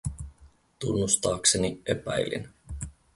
Tunnustaakseni epäilin.